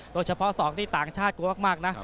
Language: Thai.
โดยเฉพาะ๒ที่ต่างชาติกลัวมากนะ